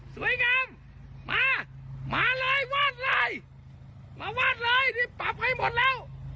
สวยงามมามาเลยวาดเลยมาวาดเลยที่ปรับให้หมดแล้ว